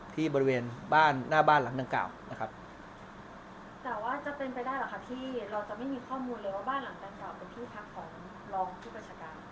ที่บริเวณบ้านหน้าบ้านหลังดังกล่าวนะครับแต่ว่าจะเป็นไปได้หรือคะที่เราจะไม่มีข้อมูลเลยว่าบ้านหลังดังกล่าวเป็นที่พักของรองผู้บัญชาการ